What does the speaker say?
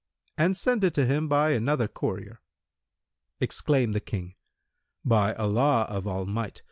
And send it to him by another courier." Exclaimed the King, "By Allah of All might!